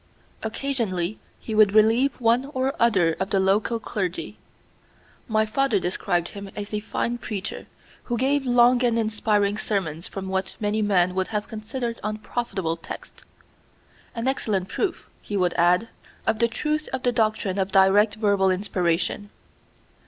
Occasionally he would relieve one or other of the local clergy. My father described him as a fine preacher, who gave long and inspiring sermons from what many men would have considered unprofitable texts. "An excellent proof," he would add, "of the truth of the doctrine of direct verbal inspiration."